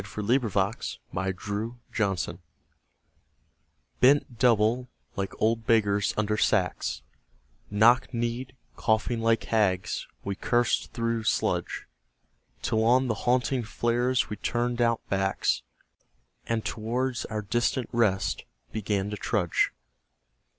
Y Z Dulce Et Decorum Est BENT double, like old beggars under sacks Knock kneed, coughing like hags, we cursed through sludge, Till on the haunting flares we turned out backs And towards our distant rest began to trudge.